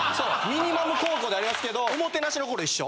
ミニマム黄皓でありますけどおもてなしの心一緒。